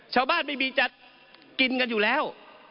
ชาวบ้านมีจัดกินกันอยู่แล้ว